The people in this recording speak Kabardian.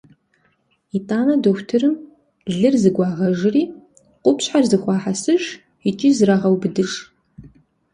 Итӏанэ дохутырхэм лыр зэгуагъэжри, къупщхьэр зэхуахьэсыж икӏи зрагъэубыдыж.